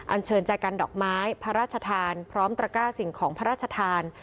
เชิญใจกันดอกไม้พระราชทานพร้อมตระก้าสิ่งของพระราชทาน